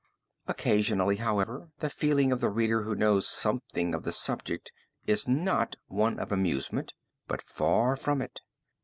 Occasionally, however, the feeling of the reader who knows something of the subject is not one of amusement, but far from it.